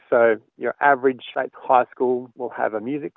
jadi sekolah dasar negeri berbeda akan memiliki kelas musik